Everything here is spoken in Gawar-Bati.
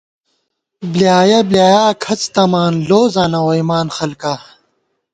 بۡلیایَہ بۡلیایا کھڅ تمان، لوزاں نہ ووئیمان خلکا